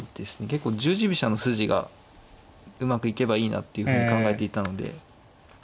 結構十字飛車の筋がうまくいけばいいなっていうふうに考えていたので。